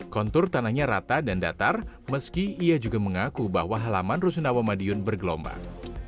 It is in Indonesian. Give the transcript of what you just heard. kontur tanahnya rata dan datar meski ia juga mengaku bahwa halaman rusunawa madiun bergelombang